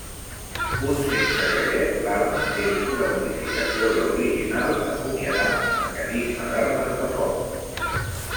Un sense gallet l'arma és una modificació de l'original acomiadant mecanisme d'armes de foc.